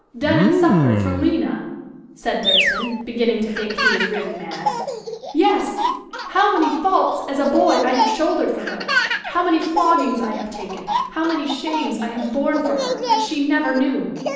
done and suffered for Lina!" said Thurston, beginning to think he was really mad. "Yes! how many faults as a boy I have shouldered for her. How many floggings I have taken. How many shames I have borne for her, which she never knew.